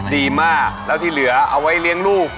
ดีมากแล้วที่เหลือเอาไว้เลี้ยงลูก